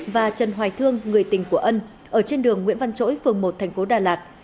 và trần hoài thương người tình của ân ở trên đường nguyễn văn chỗi phường một tp đà lạt